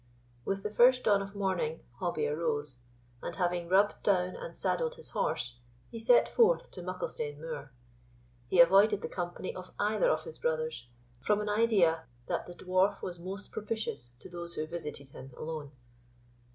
With the first dawn of morning, Hobbie arose; and, having rubbed down and saddled his horse, he set forth to Mucklestane Moor. He avoided the company of either of his brothers, from an idea that the Dwarf was most propitious to those who visited him alone.